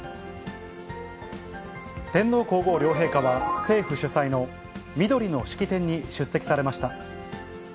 天皇皇后両陛下は、政府主催のみどりの式典に出席されました。